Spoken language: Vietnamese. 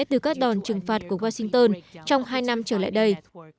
từ các đòn trừng phạt của washington trong hai năm trở lại đây